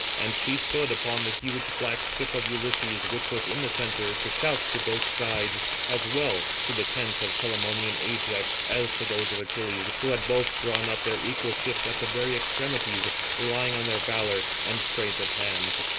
And she stood upon the huge 359 black ship of Ulysses, which was in the centre, to shout to both sides, as well to the tents of Telamonian Ajax, as to those of Achilles; who had both drawn up their equal ships at the very extremities, relying on their valour and strength of hands.